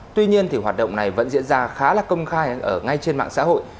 tuy nhiên thì hoạt động này vẫn diễn ra khá là công khai ở ngay trên mạng xã hội